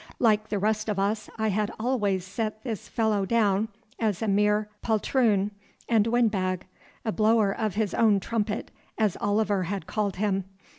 Like the rest of us I had always set this fellow down as a mere poltroon and windbag, a blower of his own trumpet, as Oliver had called him.